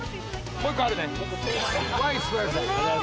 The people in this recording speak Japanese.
もう１個あるね。